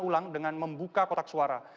ulang dengan membuka kotak suara